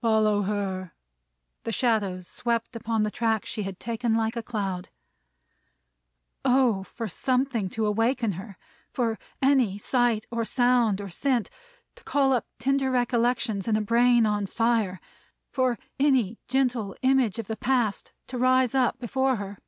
"Follow her!" The shadows swept upon the track she had taken like a cloud. Oh, for something to awaken her! For any sight or sound, or scent, to call up tender recollections in a brain on fire! For any gentle image of the Past, to rise up before her!